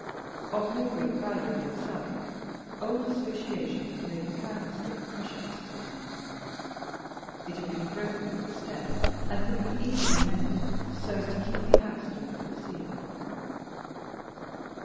Of no great value in itself, old associations made the candlestick precious to Sydney. It had been broken at the stem and could be easily mended so as to keep the accident concealed.